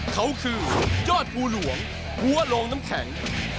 เขาคือยอดภูหลวงหัวโรงน้ำแข็ง